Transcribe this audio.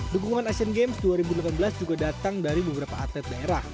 dukungan asian games dua ribu delapan belas juga datang dari beberapa atlet daerah